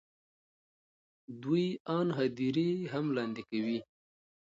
دوی آن هدیرې هم لاندې کوي.